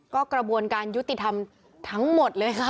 ก็กระบวนการยุติธรรมทั้งหมดเลยค่ะ